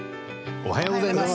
おはようございます。